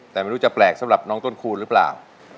แต่ไม่รู้จะแปลกสำหรับน้องต้นคูณหรือเปล่า